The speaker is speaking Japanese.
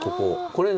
これ。